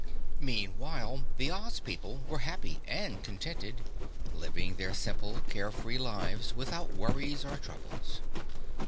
Meanwhile, the Oz people were happy and contented, living their simple carefree lives without worries or troubles.